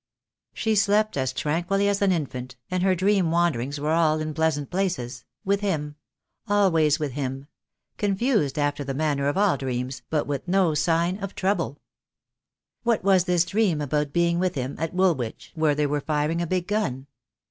She slept as tranquilly as an infant, and her dream THE DAY WILL COME. 77 wanderings were all in pleasant places ; with him; always with him; confused after the manner of all dreams, but with no sign of trouble. What was this dream about being with him at Wool wich where they were firing a big gun?